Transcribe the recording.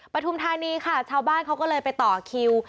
ปฐุมธานีค่ะชาวบ้านเขาก็เลยไปต่อคิว